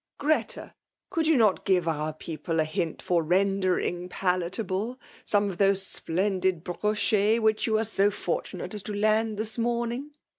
Greta! — Could you not give our people a hint for rendering palatable some of those splendid brockets which you were so fortunate as to laad this morning